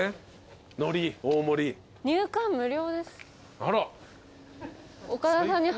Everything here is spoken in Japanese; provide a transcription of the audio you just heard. あら。